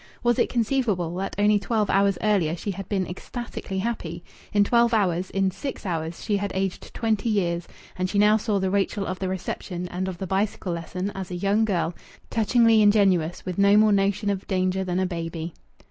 Was it conceivable that only twelve hours earlier she had been ecstatically happy? In twelve hours in six hours she had aged twenty years, and she now saw the Rachel of the reception and of the bicycle lesson as a young girl, touchingly ingenuous, with no more notion of danger than a baby.